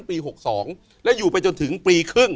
ปี๖๒และอยู่ไปจนถึงปีครึ่ง